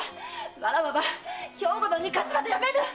わらわは兵庫殿に勝つまでやめぬ！〕